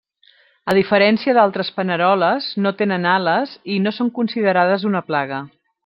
A diferència d'altres paneroles, no tenen ales i no són considerades una plaga.